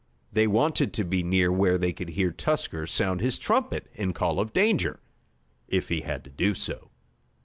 They wanted to be near where they could hear Tusker sound his trumpet call of danger, if he had to do so.